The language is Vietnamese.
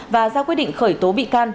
và ra quyết định khởi tố bị can